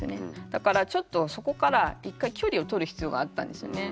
だからちょっとそこから一回距離をとる必要があったんですよね。